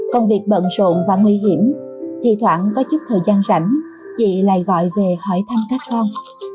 công việc bận rộn và nguy hiểm thi thoảng có chút thời gian rảnh chị lại gọi về hỏi thăm các con